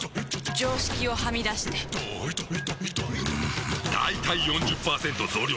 常識をはみ出してんだいたい ４０％ 増量作戦！